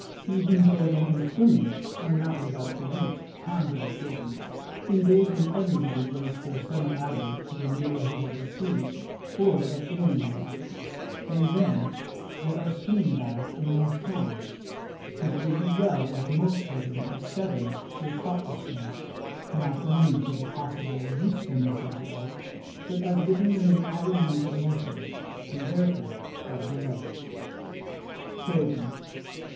Even boating and swimming are not without the reach of town bred children, in days when every body goes for a summer outing to the neighbourhood of the sea or of inland waters ; and then, there are swimming baths in most towns. It would be well if most children of seven were taught to swim, not only for the possible usefulness of the art, but as giving them an added means of motion, and, there fore, of delight. Clothing.